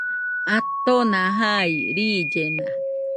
Atona jai, riillena